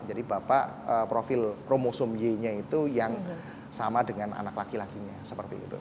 jadi bapak profil promosum y nya itu yang sama dengan anak laki lakinya seperti itu